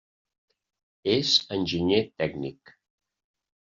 És enginyer tècnic.